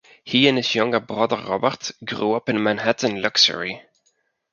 He and his younger brother Robert grew up in Manhattan luxury.